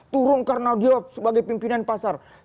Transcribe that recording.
turun karena dia sebagai pimpinan pasar